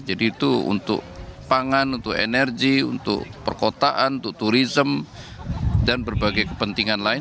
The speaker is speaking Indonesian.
jadi itu untuk pangan untuk energi untuk perkotaan untuk turism dan berbagai kepentingan lain